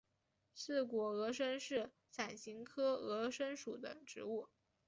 刺果峨参是伞形科峨参属的植物。